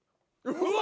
うわ！